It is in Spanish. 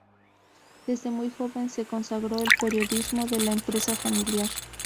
Desde muy joven se consagró al periodismo en la empresa familiar.